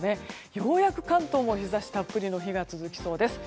ようやく関東も日差したっぷりの日が続きそうです。